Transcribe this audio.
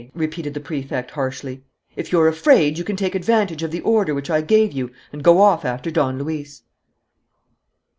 repeated the Prefect harshly. "If you're afraid, you can take advantage of the order which I gave you and go off after Don Luis."